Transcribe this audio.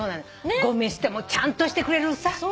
ごみ捨てもちゃんとしてくれるさ